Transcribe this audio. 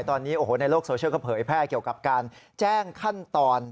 ตอนนี้โอ้โหในโลกโซเชียลก็เผยแพร่เกี่ยวกับการแจ้งขั้นตอน